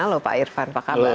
halo pak irfan apa kabar